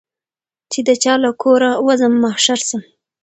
چي د چا له کوره وزمه محشر سم